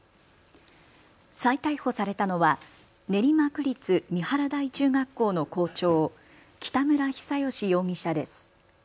再逮捕されたのは練馬区立三原台中学校の校長、北村比左嘉容疑者です。